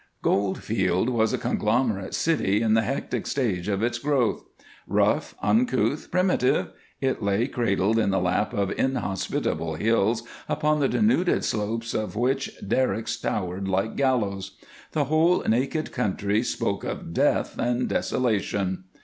Goldfield was a conglomerate city in the hectic stage of its growth. Rough, uncouth, primitive, it lay cradled in the lap of inhospitable hills upon the denuded slopes of which derricks towered like gallows. The whole naked country spoke of death and desolation.